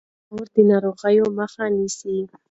مور د ناروغۍ مخه نیسي.